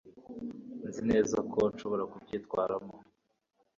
nzi neza ko nshobora kubyitwaramo